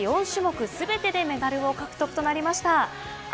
４種目全てでメダルを獲得となりました。